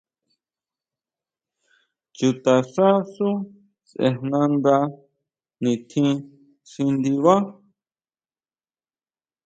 Chutaxá xú sʼejnanda nitjín xi ndibá.